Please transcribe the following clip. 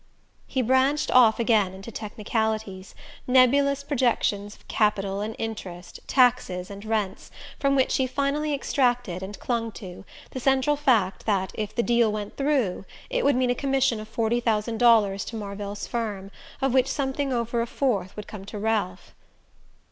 He branched off again into technicalities, nebulous projections of capital and interest, taxes and rents, from which she finally extracted, and clung to, the central fact that if the "deal went through" it would mean a commission of forty thousand dollars to Marvell's firm, of which something over a fourth would come to Ralph.